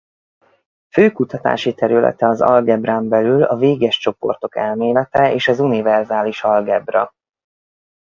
Fő kutatási területe az algebrán belül a véges csoportok elmélete és az univerzális algebra.